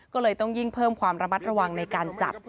ก็เลยต้องยิ่งเพิ่มความระมัดระวังในการจับ